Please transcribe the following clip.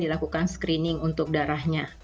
dilakukan screening untuk darahnya